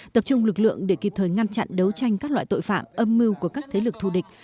tập trung lực lượng để kịp thời ngăn chặn đấu tranh các loại tội phạm âm mưu của các thế lực thù địch